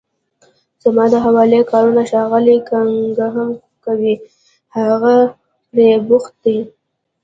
زما د حوالې کارونه ښاغلی کننګهم کوي، هغه پرې بوخت دی.